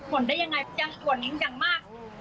กวนได้อย่างไรยังกวนนิ่งจังมาก